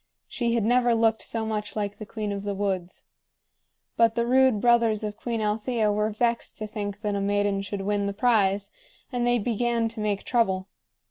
She had never looked so much like the queen of the woods. But the rude brothers of Queen Althea were vexed to think that a maiden should win the prize, and they began to make trouble.